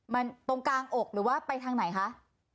มันตรงกลางอกหรือว่าไปทางไหนคะ